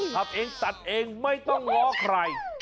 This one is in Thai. ทำเองตัดเองไม่ต้องง้อใคร